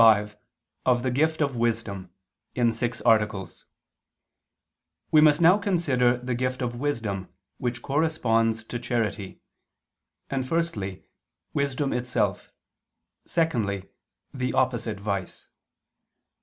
_______________________ QUESTION 45 OF THE GIFT OF WISDOM (In Six Articles) We must now consider the gift of wisdom which corresponds to charity; and firstly, wisdom itself, secondly, the opposite vice.